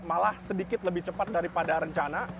malah sedikit lebih cepat daripada rencana